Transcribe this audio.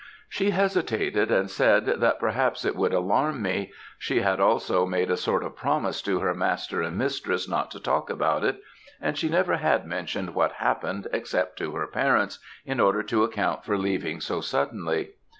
"She hesitated, and said, that perhaps it would alarm me; she had also made a sort of promise to her master and mistress not to talk about it, and she never had mentioned what happened except to her parents, in order to account for leaving so suddenly.